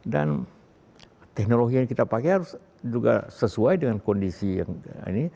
teknologi yang kita pakai harus juga sesuai dengan kondisi yang ini